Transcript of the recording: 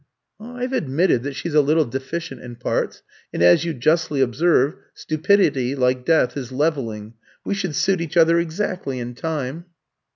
"I've admitted that she's a little deficient in parts; and, as you justly observe, stupidity, like death, is levelling. We should suit each other exactly in time."